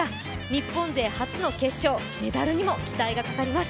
日本勢初の決勝、メダルにも期待がかかります。